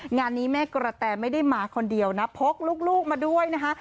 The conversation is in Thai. งานนี้แม่กระแตไม่ได้มาคนเดียวนะพกลูกมาด้วยนะคะ